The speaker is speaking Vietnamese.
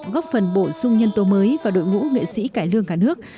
góp phần bổ sung nhân tố mới vào đội ngũ nghệ sĩ cải lương cả nước